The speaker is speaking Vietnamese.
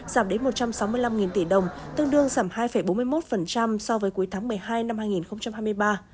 giảm đến một trăm sáu mươi năm tỷ đồng tương đương giảm hai bốn mươi một so với cuối tháng một mươi hai năm hai nghìn hai mươi ba